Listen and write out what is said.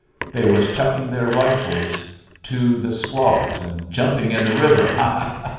They was chucking their rifles to the squaws, and jumping in the river ha! ha!